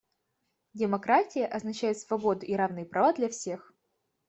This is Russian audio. Демократия означает свободу и равные права для всех.